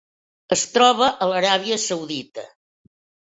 Es troba a l'Aràbia Saudita.